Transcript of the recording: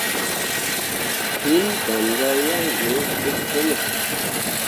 Hinni danra yaŋ ɓe te cume.